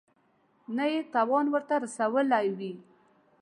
نه یې تاوان ورته رسولی وي.